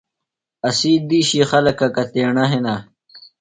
اسی دِیشی خلکہ کتیݨہ ہِنہ؟